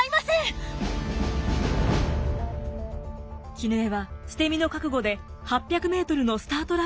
絹枝は捨て身の覚悟で８００ｍのスタートラインに立ちます。